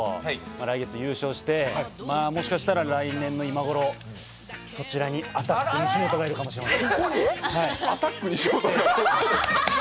来月優勝して、もしかしたら来年の今頃、そちらにアタック西本がいるかもしれません。